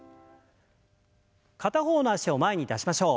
片方の脚を前に出しましょう。